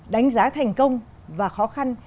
đánh giá thành công và khó khăn